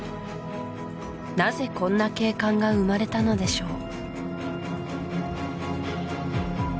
なぜこんな景観が生まれたのでしょう